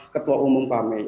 ketua umum kami